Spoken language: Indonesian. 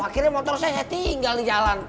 akhirnya motor saya tinggal di jalan